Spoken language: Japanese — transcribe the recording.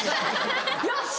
よし！